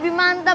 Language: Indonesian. wah tenang pak